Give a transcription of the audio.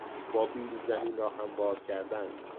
با بیل زمین را هموار کردن